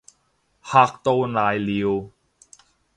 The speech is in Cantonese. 嚇到瀨尿